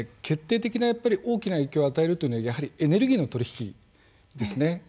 決定的な大きな影響を与えるというのはやはりエネルギーの取り引きですね。